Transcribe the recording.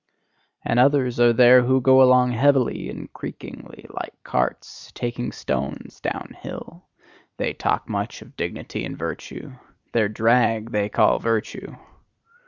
And others are there who go along heavily and creakingly, like carts taking stones downhill: they talk much of dignity and virtue their drag they call virtue!